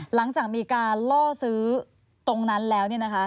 หลังจากมีการล่อซื้อตรงนั้นแล้วเนี่ยนะคะ